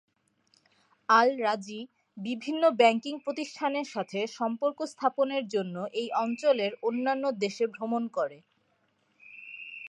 আল Rajhi বিভিন্ন ব্যাংকিং প্রতিষ্ঠানের সাথে সম্পর্ক স্থাপনের জন্য এই অঞ্চলের অন্যান্য দেশে ভ্রমণ করে।